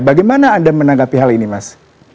bagaimana anda menanggapi hal ini mas